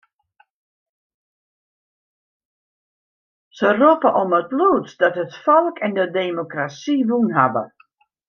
Se roppe om it lûdst dat it folk en de demokrasy wûn hawwe.